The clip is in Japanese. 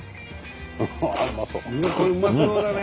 うわっこれうまそうだね。